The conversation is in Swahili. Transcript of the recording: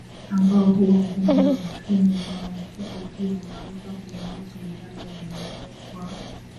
ambao huwa nguvu ya uchumi wao Mfuko pia unaweza kumiliki miradi ya maendeleo kwa